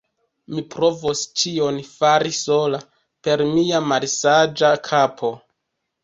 mi provos ĉion fari sola, per mia malsaĝa kapo!